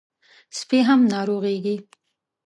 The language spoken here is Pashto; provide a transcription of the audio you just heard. سپي هم ناروغېږي.